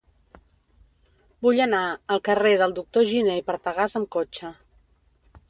Vull anar al carrer del Doctor Giné i Partagàs amb cotxe.